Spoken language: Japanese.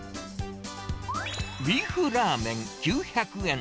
ビーフラーメン９００円。